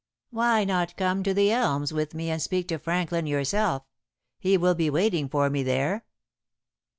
Why not come to The Elms with me and speak to Franklin yourself? He will be waiting for me there."